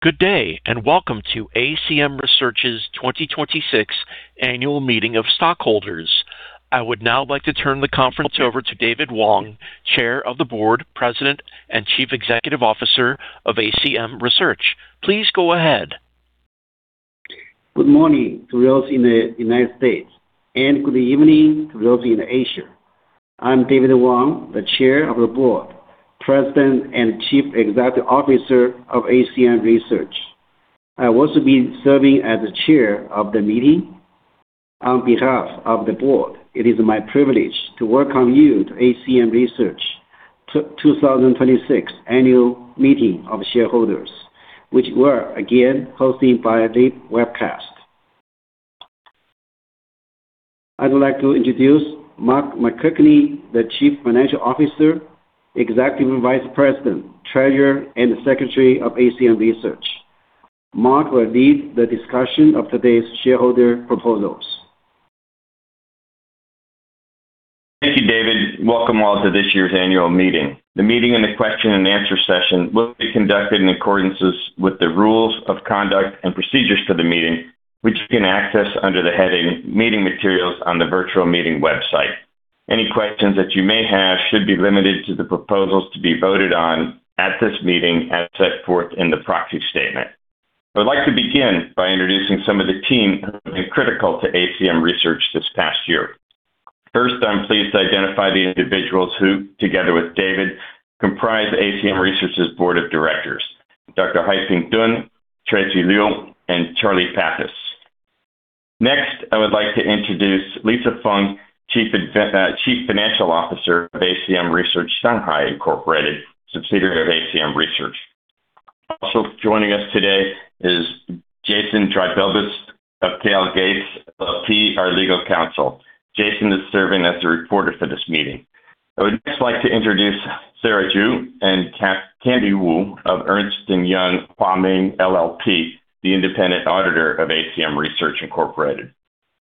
Good day, welcome to ACM Research's 2026 Annual Meeting of Stockholders. I would now like to turn the conference over to David Wang, Chair of the Board, President, and Chief Executive Officer of ACM Research. Please go ahead. Good morning to those in the U.S., good evening to those in Asia. I'm David Wang, the Chair of the Board, President, and Chief Executive Officer of ACM Research. I will also be serving as the Chair of the meeting. On behalf of the Board, it is my privilege to welcome you to ACM Research 2026 Annual Meeting of Shareholders, which we're again hosting via live webcast. I'd like to introduce Mark McKechnie, the Chief Financial Officer, Executive Vice President, Treasurer, and Secretary of ACM Research. Mark will lead the discussion of today's shareholder proposals. Thank you, David. Welcome all to this year's annual meeting. The meeting and the question and answer session will be conducted in accordance with the rules of conduct and procedures for the meeting, which you can access under the heading Meeting Materials on the virtual meeting website. Any questions that you may have should be limited to the proposals to be voted on at this meeting, as set forth in the proxy statement. I'd like to begin by introducing some of the team who have been critical to ACM Research this past year. First, I am pleased to identify the individuals who, together with David, comprise ACM Research's Board of Directors: Dr. Haiping Dun, Tracy Liu, and Charlie Pappis. Next, I would like to introduce Lisa Feng, Chief Financial Officer of ACM Research Shanghai Incorporated, subsidiary of ACM Research. Also joining us today is Jason Dreibelbis of K&L Gates LLP, our Legal Counsel. Jason is serving as the reporter for this meeting. I would next like to introduce Sarah Ju and Candy Wu of Ernst & Young Hua Ming LLP, the independent auditor of ACM Research Incorporated.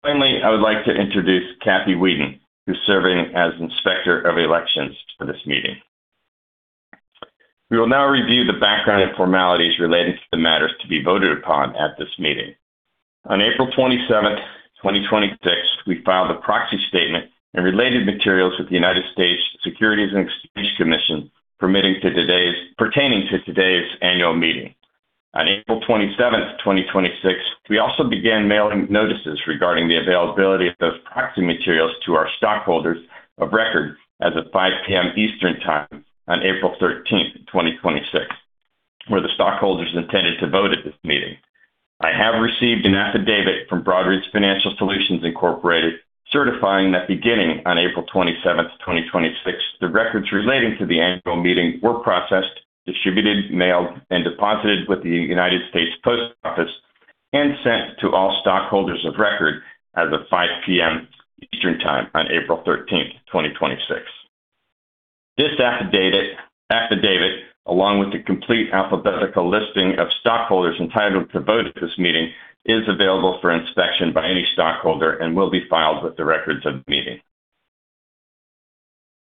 Finally, I would like to introduce Kathy Wheaton,, who's serving as Inspector of Elections for this meeting. We will now review the background and formalities relating to the matters to be voted upon at this meeting. On April 27, 2026, we filed a proxy statement and related materials with the United States Securities and Exchange Commission pertaining to today's annual meeting. On April 27th, 2026, we also began mailing notices regarding the availability of those proxy materials to our stockholders of record as of 5:00 P.M. Eastern Time on April 13th, 2026, where the stockholders intended to vote at this meeting. I have received an affidavit from Broadridge Financial Solutions, Incorporated, certifying that beginning on April 27th, 2026, the records relating to the annual meeting were processed, distributed, mailed, and deposited with the United States Postal Service, and sent to all stockholders of record as of 5:00 P.M. Eastern Time on April 13th, 2026. This affidavit, along with the complete alphabetical listing of stockholders entitled to vote at this meeting, is available for inspection by any stockholder and will be filed with the records of the meeting.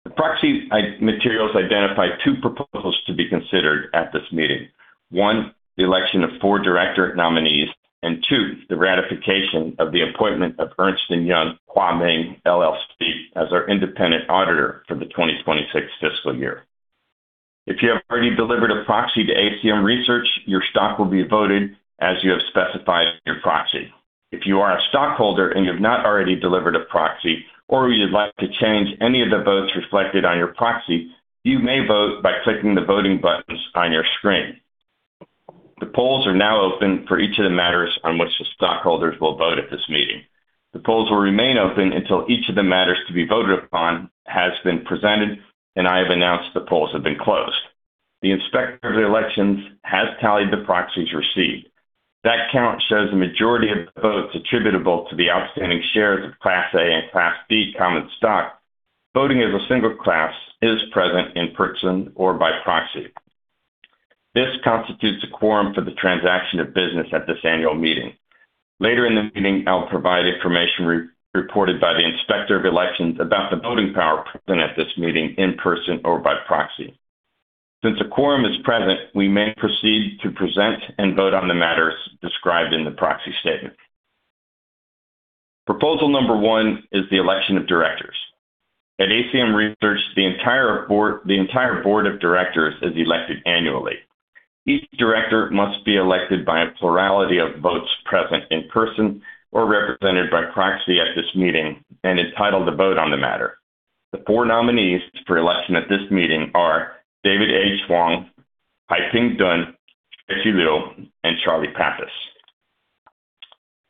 The proxy materials identify two proposals to be considered at this meeting. One, the election of four director nominees, and two, the ratification of the appointment of Ernst & Young Hua Ming LLP as our independent auditor for the 2026 fiscal year. If you have already delivered a proxy to ACM Research, your stock will be voted as you have specified in your proxy. If you are a stockholder and you have not already delivered a proxy, or you'd like to change any of the votes reflected on your proxy, you may vote by clicking the voting buttons on your screen. The polls are now open for each of the matters on which the stockholders will vote at this meeting. The polls will remain open until each of the matters to be voted upon has been presented, and I have announced the polls have been closed. The Inspector of Elections has tallied the proxies received. That count shows the majority of the votes attributable to the outstanding shares of Class A and Class B common stock voting as a single class is present in person or by proxy. This constitutes a quorum for the transaction of business at this annual meeting. Later in the meeting, I'll provide information reported by the Inspector of Elections about the voting power present at this meeting in person or by proxy. A quorum is present, we may proceed to present and vote on the matters described in the proxy statement. Proposal number one is the election of directors. At ACM Research, the entire Board of Directors is elected annually. Each director must be elected by a plurality of votes present in person or represented by proxy at this meeting and entitled to vote on the matter. The four nominees for election at this meeting are David H. Wang, Haiping Dun, Tracy Liu, and Charlie Pappis.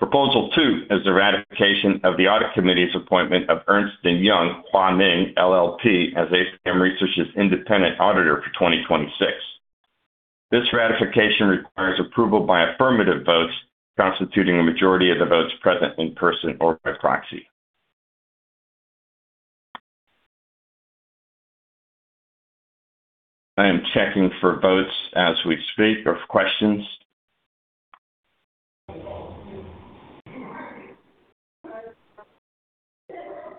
Proposal two is the ratification of the audit committee's appointment of Ernst & Young Hua Ming LLP as ACM Research's independent auditor for 2026. This ratification requires approval by affirmative votes constituting a majority of the votes present in person or by proxy. I am checking for votes as we speak, or if questions.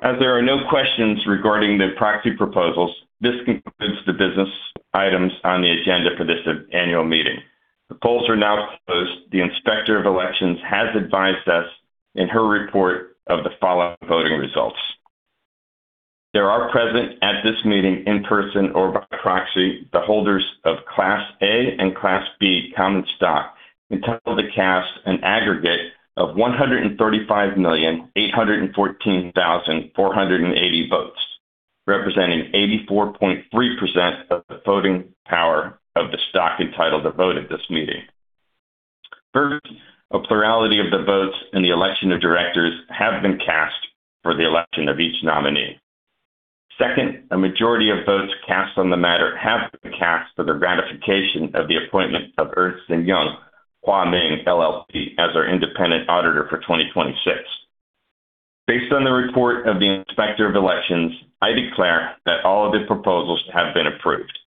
There are no questions regarding the proxy proposals, this concludes the business items on the agenda for this annual meeting. The polls are now closed. The Inspector of Elections has advised us in her report of the following voting results. There are present at this meeting, in person or by proxy, the holders of Class A and Class B common stock entitled to cast an aggregate of 135,814,480 votes, representing 84.3% of the voting power of the stock entitled to vote at this meeting. First, a plurality of the votes in the election of directors have been cast for the election of each nominee. Second, a majority of votes cast on the matter have been cast for the ratification of the appointment of Ernst & Young Hua Ming LLP as our independent auditor for 2026. Based on the report of the Inspector of Elections, I declare that all of the proposals have been approved.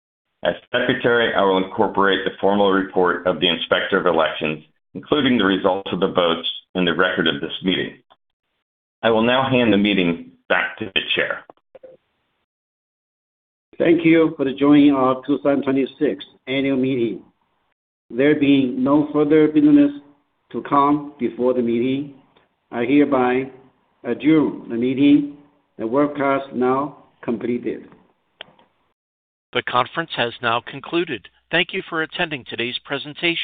As Secretary, I will incorporate the formal report of the Inspector of Elections, including the results of the votes, in the record of this meeting. I will now hand the meeting back to the Chair. Thank you for joining our 2026 annual meeting. There being no further business to come before the meeting, I hereby adjourn the meeting. The webcast now completed. The conference has now concluded. Thank you for attending today's presentation.